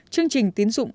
chương trình tiến dụng